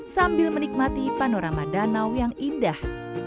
sambil menikmati panorama danau yang indah